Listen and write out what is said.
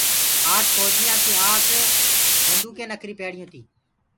آٺ ڦوجِيآنٚ ڪي آٺ بنٚدوُڪينٚ نکريٚ پيڙيٚ تيٚ